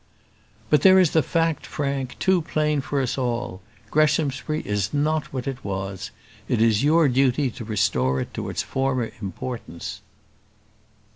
"But there is the fact, Frank, too plain to us all; Greshamsbury is not what it was. It is your duty to restore it to its former importance."